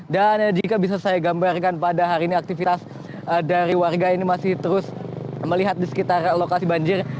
dan jika bisa saya gambarkan pada hari ini aktivitas dari warga ini masih terus melihat di sekitar lokasi banjir